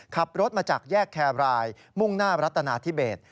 ขับรถมาจากแยกแคบรายมุ่งหน้ารัฐนาธิเบส